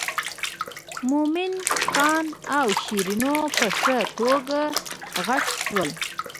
مومن خان او شیرینو په ښه توګه غټ شول.